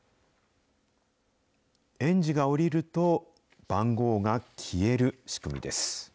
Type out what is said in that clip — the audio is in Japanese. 園児が降りると、番号が消える仕組みです。